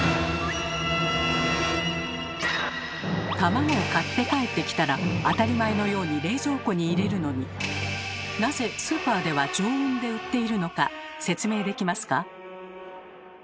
卵を買って帰ってきたら当たり前のように冷蔵庫に入れるのになぜスーパーでは常温で売っているのか説明できますか？